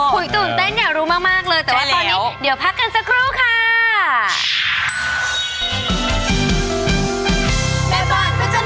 ตื่นเต้นอยากรู้มากเลยแต่ว่าตอนนี้เดี๋ยวพักกันสักครู่ค่ะ